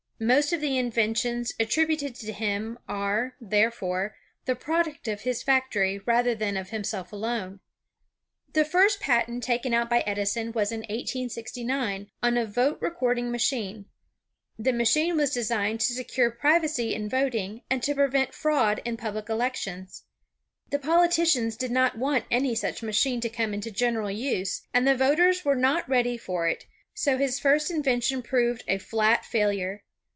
Most of the inven tions attributed to him are, therefore, the product of his factory, rather than of himself alone. The first patent taken out by Edison was in 1869, on a. vote recording ma chine. The machine was designed to se cure privacy in vot ing, and to prevent fraud in public elec tions. The politi cians did not want any such machine to come into general use, and the voters were not ready for it, so his first in vention proved a flat failure.